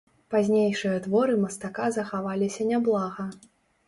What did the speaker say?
Пазнейшыя творы мастака захаваліся няблага.